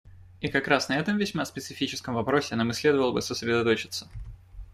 И как раз на этом весьма специфическом вопросе нам и следовало бы сосредоточиться.